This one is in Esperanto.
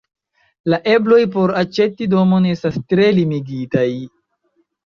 La ebloj por aĉeti domon estas tre limigitaj.